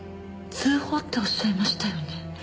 通報っておっしゃいましたよね？